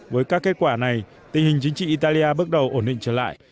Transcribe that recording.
với các kết quả này tình hình chính trị italia bước đầu ổn định trở lại